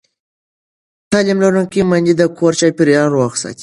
تعلیم لرونکې میندې د کور چاپېریال روغ ساتي.